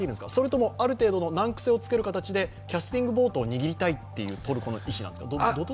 それともある程度の難癖をつける形でキャスティングボートを握りたという意思なのか。